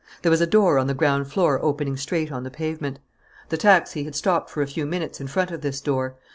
There was a door on the ground floor opening straight on the pavement. The taxi had stopped for a few minutes in front of this door.